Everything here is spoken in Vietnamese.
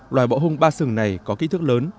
loài bọ hung ba sừng này có kích thước lớn